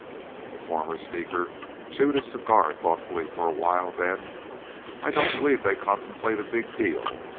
The former speaker chewed his cigar thoughtfully for a while, then: "I don't believe they contemplate a big deal.